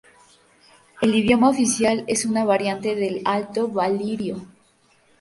El idioma oficial es una variante del alto valyrio.